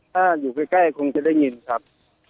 ถ้าอยู่ใกล้คงจะได้ยินครับ